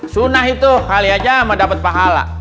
sunah itu kalian aja mendapat pahala